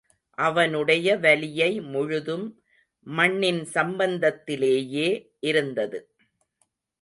அவனுடைய வலியை முழுதும் மண்ணின் சம்பந்தத்திலேயே இருந்தது.